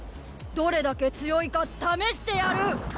どれだけ強いかためしてやる！